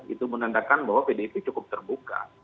itu menandakan bahwa pdip cukup terbuka